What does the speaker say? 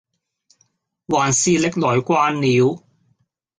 還是歷來慣了，